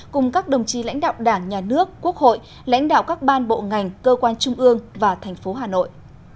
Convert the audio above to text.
cùng các đồng chí lãnh đạo đảng nhà nước quốc hội lãnh đạo các ban bộ ngành cơ quan trung ương và thành phố hà nội